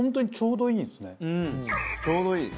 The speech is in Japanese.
うんちょうどいい。